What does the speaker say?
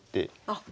あっ。